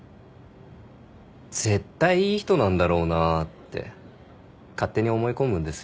絶対いい人なんだろうなって勝手に思い込むんですよ。